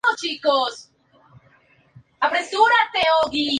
Está acoplado a una caja de cambios automática de cinco marchas con mandos secuenciales.